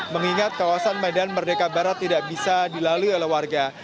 mengingat kawasan medan merdeka barat tidak bisa dilalui oleh warga